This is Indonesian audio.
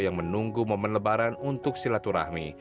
yang menunggu momen lebaran untuk silaturahmi